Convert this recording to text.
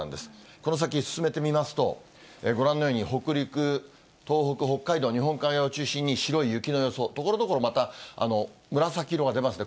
この先、進めてみますと、ご覧のように、北陸、東北、北海道、日本海側を中心に、白い雪の予想、ところどころ、また紫色が出ますね。